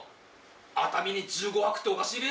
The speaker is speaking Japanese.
熱海に１５泊っておかしいべ？